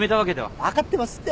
分かってますって。